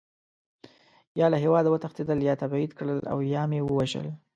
یا له هېواده وتښتېدل، یا مې تبعید کړل او یا مې ووژل.